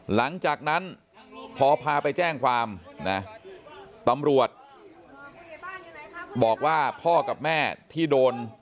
หลังจากนั้นพอพาไปแจ้งความนะตำรวจบอกว่าพ่อกับแม่ที่โดน